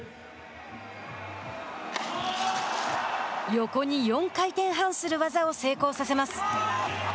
横に４回転半する技を成功させます。